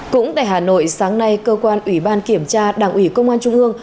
cũng tại hà nội sáng nay cơ quan ủy ban kiểm tra đảng ủy công an trung ương